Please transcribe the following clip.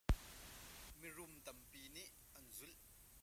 Mi run tampi nih an zulh.